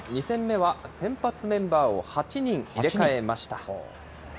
２戦目は先発メンバーを８人入れ替えました。